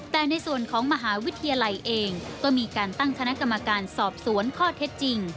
แต่ในส่วนของมหาวิทยาลัยเองก็มีการตั้งคณะกรรมการสอบสวนข้อเท็จจริง